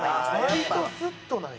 割とスッとなんや。